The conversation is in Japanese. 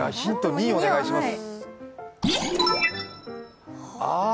２お願いします。